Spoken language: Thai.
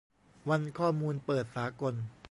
วันข้อมูลเปิดสากล